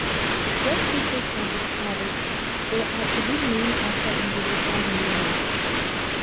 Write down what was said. When features are discovered, they are to be named after individual nereids.